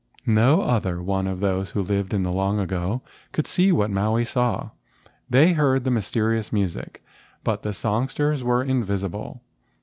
No other one of those who lived in the long ago could see what Maui saw. They heard the mysterious music, but the songsters were in¬ visible.